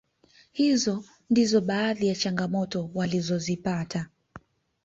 Hizo ndizo baadhi ya changamoto walizozipata